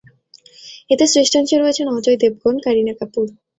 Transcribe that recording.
এতে শ্রেষ্ঠাংশে রয়েছেন অজয় দেবগন, কারিনা কাপুর।